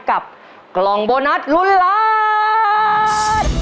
กับกล่องโบนัสลุ้นล้าน